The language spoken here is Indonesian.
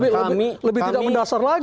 lebih tidak mendasar lagi